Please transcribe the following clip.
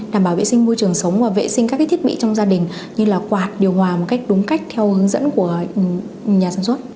đảm bảo vệ sinh môi trường sống và vệ sinh các thiết bị trong gia đình như là quạt điều hòa một cách đúng cách theo hướng dẫn của nhà sản xuất